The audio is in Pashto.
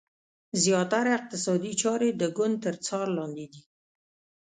زیاتره اقتصادي چارې د ګوند تر څار لاندې دي.